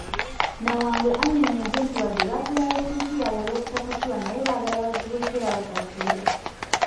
Nawangwe annyonnyodde nti wadde baafiirwa layisinsi yaabwe olw'obutasasula naye baagala bazzibweko era basasule.